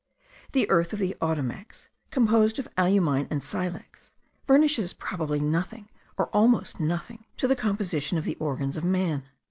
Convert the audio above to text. The earth of the Ottomacs, composed of alumine and silex, furnishes probably nothing, or almost nothing, to the composition of the organs of man.